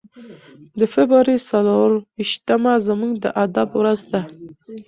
د فبرورۍ څلور ویشتمه زموږ د ادب ورځ ده.